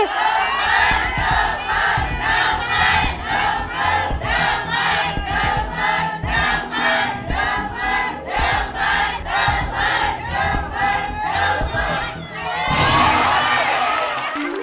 เท่าไหร่